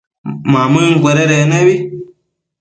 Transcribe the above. Mamëncuededec nebi